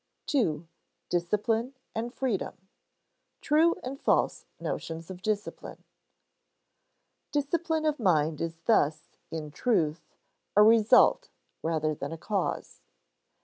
§ 2. Discipline and Freedom [Sidenote: True and false notions of discipline] Discipline of mind is thus, in truth, a result rather than a cause.